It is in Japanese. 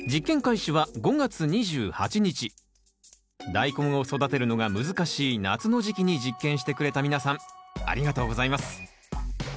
ダイコンを育てるのが難しい夏の時期に実験してくれた皆さんありがとうございます。